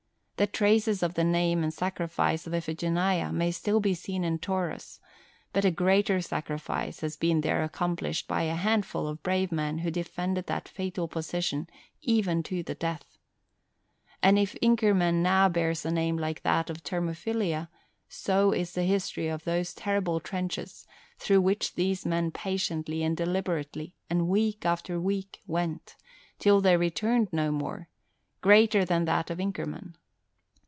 The traces of the name and sacrifice of Iphigeneia may still be seen in Taurus; but a greater sacrifice has been there accomplished by a 'handful' of brave men who defended that fatal position, even to the death. And if Inkerman now bears a name like that of Thermopylae, so is the story of those terrible trenches, through which these men patiently and deliberately, and week after week, went, till they returned no more, greater than that of Inkerman.